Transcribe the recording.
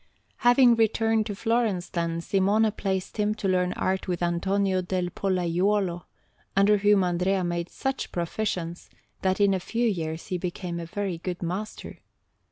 Having returned to Florence, then, Simone placed him to learn art with Antonio del Pollaiuolo, under whom Andrea made such proficience, that in a few years he became a very good master.